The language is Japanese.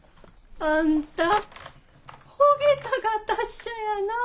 あんたほげたが達者やなあ。